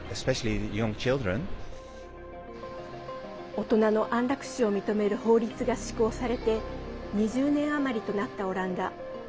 大人の安楽死を認める法律が施行されて２０年余りとなったオランダ。